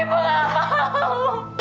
ibu tidak mau